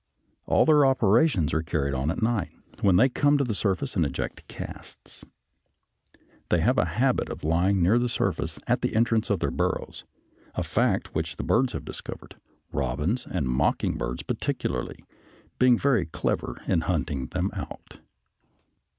All their operations are carried on at night, when they come to the surface and eject the casts. They have a habit of lying near the surface at the entrance of their burrows, a fact which the birds have discovered, robins and mocking birds particularly being very clever in hunting them out.